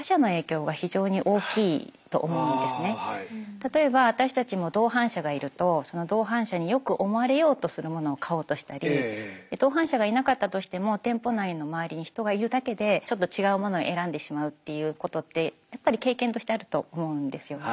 例えば私たちも同伴者がいるとその同伴者がいなかったとしても店舗内の周りに人がいるだけでちょっと違うものを選んでしまうっていうことってやっぱり経験としてあると思うんですよ。